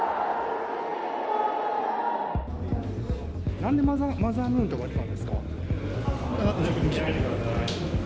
なんでマザームーンとか言ったんですか？